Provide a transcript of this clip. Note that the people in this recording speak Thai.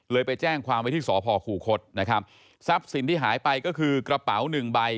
ไปแจ้งความไว้ที่สพคูคศนะครับทรัพย์สินที่หายไปก็คือกระเป๋าหนึ่งใบ